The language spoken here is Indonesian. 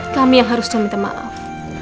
kami yang harusnya minta maaf